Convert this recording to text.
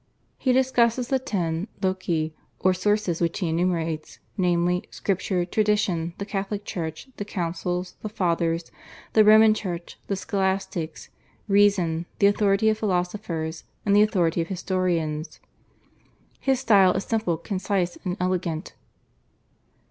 He discusses the ten /loci/ or sources which he enumerates, namely, Scripture, Tradition, the Catholic Church, the Councils, the Fathers, the Roman Church, the Scholastics, Reason, the authority of philosophers, and the authority of historians. His style is simple, concise, and elegant.